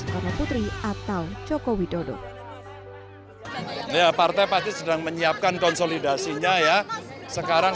bapak putri atau cokowidodo ya partai pasti sedang menyiapkan konsolidasinya ya sekarang